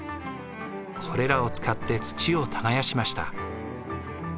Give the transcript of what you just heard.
これらを使って土を耕しました。